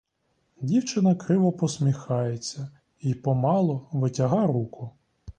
Дівчина криво посміхається й помалу витяга руку.